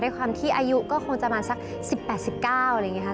ความที่อายุก็คงจะมาสัก๑๘๑๙อะไรอย่างนี้ค่ะ